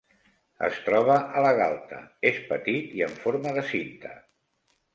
Es troba a la galta; és petit i en forma de cinta.